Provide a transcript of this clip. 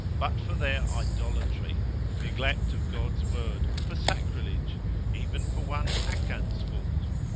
but for their idolatry, neglect of God's word, for sacrilege, even for one Achan's fault?